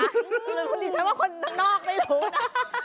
อันนี้ฉันว่าคนนอกไม่รู้นะ